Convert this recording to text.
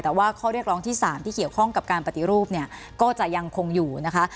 แต่ว่าข้อเรียกร้องที่๓ที่เกี่ยวข้องกับการปฏิรูปเนี่ยก็จะยังคงอยู่นะคะ